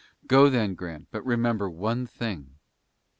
Go, then, Grant, but remember one thing."